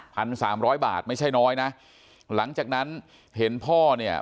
สามร้อยบาทไม่ใช่น้อยนะหลังจากนั้นเห็นพ่อเนี่ย